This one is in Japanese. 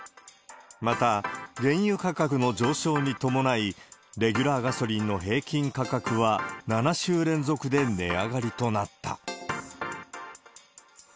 また、原油価格の上昇に伴い、レギュラーガソリンの平均価格は、７週連続で値上がりとなった。